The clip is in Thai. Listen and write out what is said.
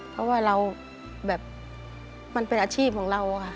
เพราะว่าเราแบบมันเป็นอาชีพของเราค่ะ